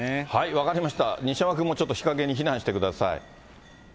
分かりました、西山君もちょっと日陰に避難してください。